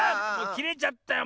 きれちゃったよ